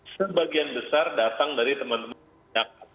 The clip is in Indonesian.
sebagian besar datang dari teman teman masyarakat